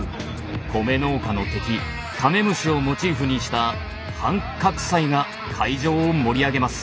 米農家の敵カメムシをモチーフにしたハン・カクサイが会場を盛り上げます。